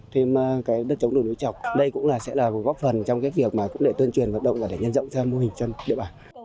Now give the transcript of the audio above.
thêm đất chống đồ nối chọc đây cũng sẽ là một góp phần trong việc tuyên truyền vận động và nhân dọng cho mô hình chân địa bàn